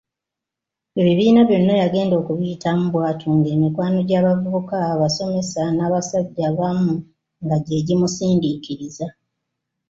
Ebibiina byonna yagenda okubiyitamu bw’atyo ng’emikwano gy’abavubuka, abasomesa, n'abasajja abamu nga gye gimusindiikiriza.